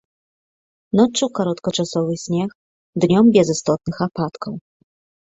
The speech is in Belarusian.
Ноччу кароткачасовы снег, днём без істотных ападкаў.